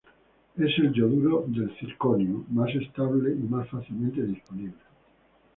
Es el yoduro de circonio más estable y más fácilmente disponible.